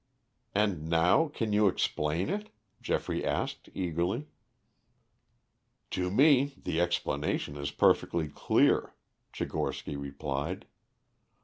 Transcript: "And now can you explain it?" Geoffrey asked eagerly. "To me the explanation is perfectly clear," Tchigorsky replied.